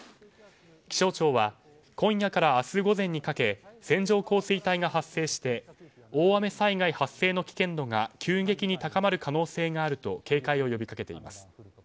気象庁は今夜から明日午前にかけ線状降水帯が発生して大雨災害発生の危険度が急激に高まる可能性があると警戒を呼びかけています。